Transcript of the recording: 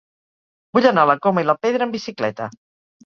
Vull anar a la Coma i la Pedra amb bicicleta.